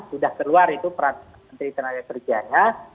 sudah keluar itu peraturan menteri tenaga kerja ya